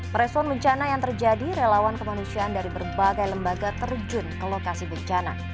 merespon bencana yang terjadi relawan kemanusiaan dari berbagai lembaga terjun ke lokasi bencana